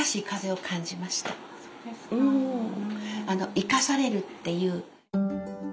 生かされるっていう。